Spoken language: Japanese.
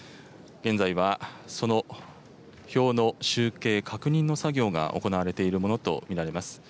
現在はその票の集計、確認の作業が行われているものと見られます。